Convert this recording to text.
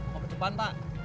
mau ke depan pak